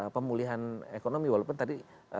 pemulihan ekonomi walaupun tadi